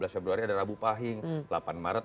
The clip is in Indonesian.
dua belas februari ada rabu pahing delapan maret